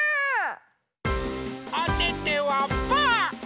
おててはパー！